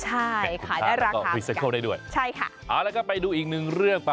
แล้วเราก็หยอดถ่ายคุณตาได้ด้วยแล้วค่ะแล้วก็ไปดูอีกนึงเรื่อง